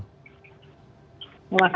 terima kasih pak